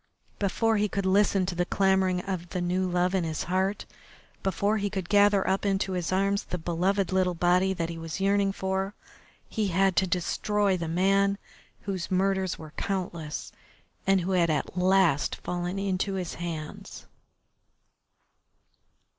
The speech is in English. Before he could listen to the clamouring of the new love in his heart, before he could gather up into his arms the beloved little body that he was yearning for, he had to destroy the man whose murders were countless and who had at last fallen into his hands.